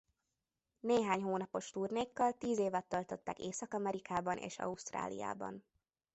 Néhány hónapos turnékkal tíz évet töltöttek Észak-Amerikában és Ausztráliában.